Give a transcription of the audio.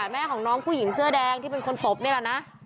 แม่ของน้องผู้หญิงเสื้อแดงที่เป็นคนตบนี่แหละนะ